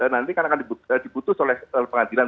nanti kan akan dibutuhkan oleh pengadilan